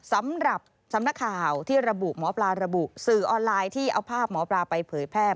สำหรับสำนักข่าวที่ระบุหมอปลาระบุสื่อออนไลน์ที่เอาภาพหมอปลาไปเผยแพร่